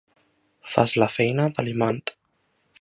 Fas la feina de l'imant.